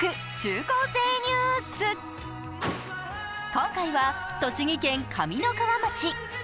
今回は栃木県上三川町。